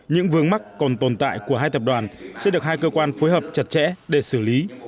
những vướng mắc còn tồn tại của hai tập đoàn sẽ được hai cơ quan phối hợp chặt chẽ để xử lý